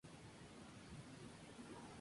Al despertar, no recordará nada.